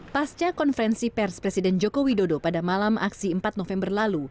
pasca konferensi pers presiden joko widodo pada malam aksi empat november lalu